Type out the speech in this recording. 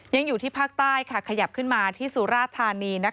ยังอยู่ที่ภาคใต้ขยับขึ้นมาที่สุราธานี